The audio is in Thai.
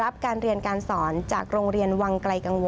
รับการเรียนการสอนจากโรงเรียนวังไกลกังวล